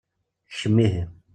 Kcem ihi.